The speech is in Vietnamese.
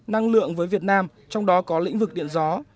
năng lượng với việt nam trong đó có lĩnh vực điện gió